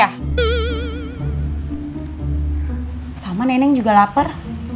apa kamu mau ngelapar